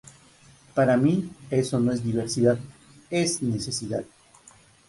Para mí eso no es diversidad, es necesidad.